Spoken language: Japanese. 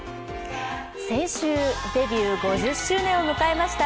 先週デビュー５０周年を迎えました